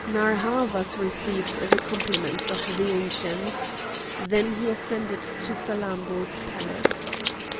Narr' Havas received the compliments of the Ancients. Then he ascended to Salammbô's palace.